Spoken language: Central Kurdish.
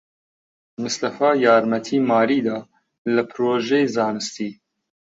مستەفا یارمەتیی ماریی دا لە پرۆژەی زانستی.